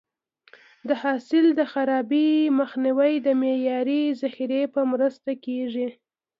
د حاصل د خرابي مخنیوی د معیاري ذخیرې په مرسته کېږي.